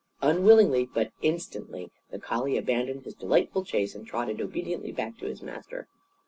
Unwillingly, but instantly, the collie abandoned his delightful chase and trotted obediently back to his master.